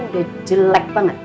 udah jelek banget